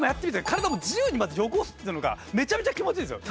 体を自由に汚すってのがめちゃめちゃ気持ちいいんですよ